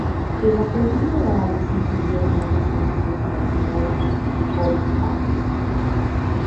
El apellido de Alison sería el nombre escogido para el dúo: Goldfrapp.